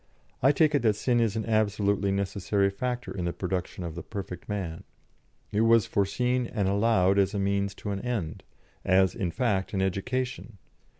I take it that sin is an absolutely necessary factor in the production of the perfect man. It was foreseen and allowed as means to an end as, in fact, an education.